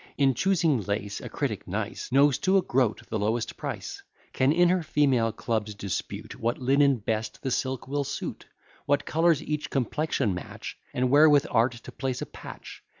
In choosing lace, a critic nice, Knows to a groat the lowest price; Can in her female clubs dispute, What linen best the silk will suit, What colours each complexion match, And where with art to place a patch.